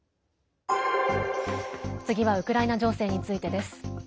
次はウクライナ情勢についてです。